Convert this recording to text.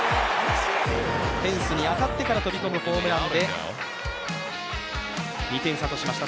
フェンスに当たってから入るホームランで２点差としました。